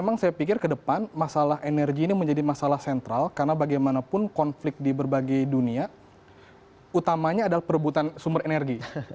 memang saya pikir ke depan masalah energi ini menjadi masalah sentral karena bagaimanapun konflik di berbagai dunia utamanya adalah perebutan sumber energi